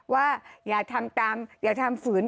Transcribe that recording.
ว่าอย่าทำตามอย่าทำฝืน